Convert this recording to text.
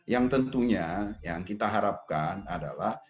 yang tentunya yang kita harapkan adalah